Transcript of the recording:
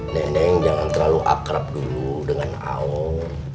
neneng jangan terlalu akrab dulu dengan aung